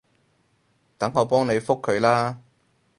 等我幫你覆佢啦